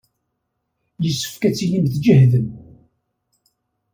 Yessefk ad tilim tjehdem.